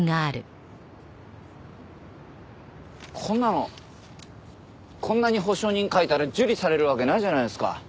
こんなのこんなに保証人書いたら受理されるわけないじゃないですか。